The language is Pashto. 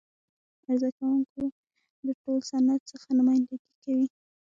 عرضه کوونکی د ټول صنعت څخه نمایندګي کوي.